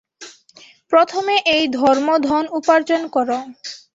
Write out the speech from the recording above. প্রথমে এই ধর্মধন উপার্জন কর।